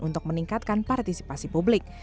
untuk meningkatkan partisipasi publik